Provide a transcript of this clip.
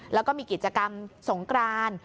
แล้วก็มีกิจกรรมสงกราน